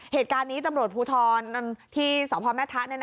เหตุการณ์นี้ตำรวจภูทรที่สวมภรรณ์แม่ธะ